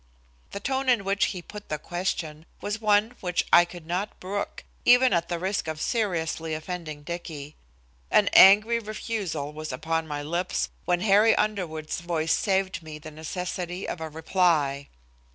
The tone in which he put the question was one which I could not brook, even at the risk of seriously offending Dicky. An angry refusal was upon my lips when Harry Underwood's voice saved me the necessity of a reply.